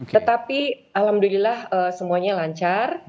tetapi alhamdulillah semuanya lancar